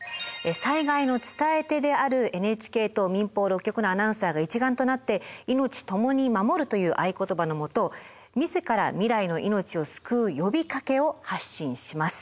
災害の伝え手であるＮＨＫと民放６局のアナウンサーが一丸となって「＃いのちともに守る」という合言葉のもと自ら「未来の命を救う呼びかけ」を発信します。